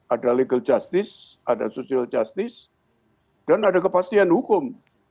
ada legal justice ada social justice dan ada kepastian hukum